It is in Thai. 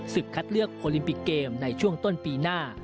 คัดเลือกโอลิมปิกเกมในช่วงต้นปีหน้า